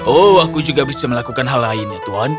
oh aku juga bisa melakukan hal lainnya tuan